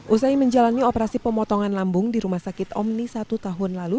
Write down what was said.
usai menjalani operasi pemotongan lambung di rumah sakit omni satu tahun lalu